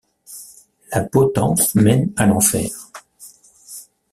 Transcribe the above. La potence mène à l’enfer.